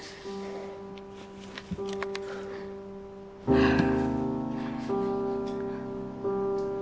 はあ。